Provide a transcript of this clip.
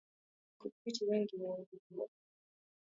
Kudhibiti wingi wa mbwa